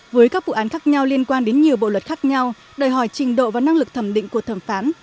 với các vụ án khác nhau liên quan đến nhiều bộ luật khác nhau đòi hỏi trình độ và năng lực thẩm định của thẩm phán